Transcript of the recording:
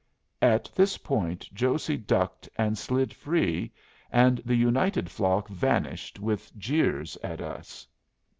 At this point Josey ducked and slid free, and the united flock vanished with jeers at us.